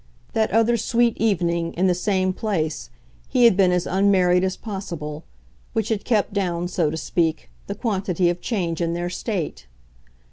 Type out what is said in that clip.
That other sweet evening, in the same place, he had been as unmarried as possible which had kept down, so to speak, the quantity of change in their state.